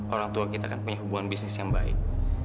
orang tua kita kan punya hubungan bisnis yang baik